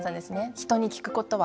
人に聞くことは。